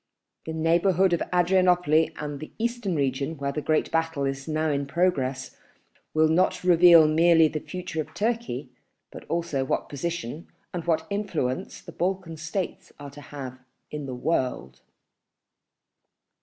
. The neighbourhood of Adrianople and the Eastern region, where the great battle is now in progress, will not reveal merely the future of Turkey, but also what position and what influence the Balkan States are to have in the world."